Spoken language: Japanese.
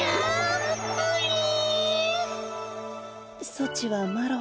ソチはマロ。